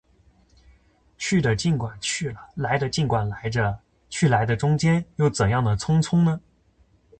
去的尽管去了，来的尽管来着，去来的中间，又怎样地匆匆呢？